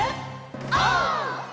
オー！